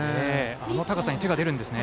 あの高さに手が出るんですね。